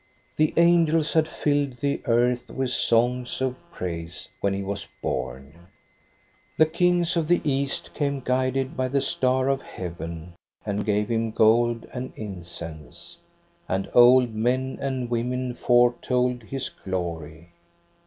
The angels had filled the earth with songs of praise when he was bom. The kings of the East came, guided by the star of heaven, and gave him gold and incense; and old men and women foretold his glory.